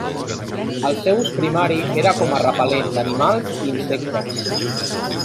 El seu ús primari era com a repel·lent d'animals i insectes.